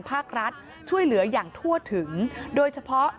ภาครัฐช่วยเหลืออย่างทั่วถึงโดยเฉพาะ